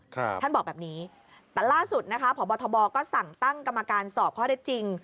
ท่านบอกแบบนี้แต่ล่าสุดนะคะพบทบก็สั่งตั้งกรรมการสอบข้อได้จริง